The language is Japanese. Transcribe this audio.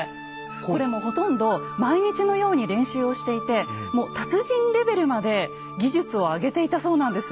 これもほとんど毎日のように練習をしていてもう達人レベルまで技術を上げていたそうなんです。